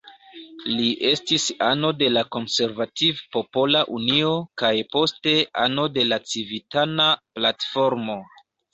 Li estis ano de la Konservativ-Popola Unio, kaj poste ano de la Civitana Platformo.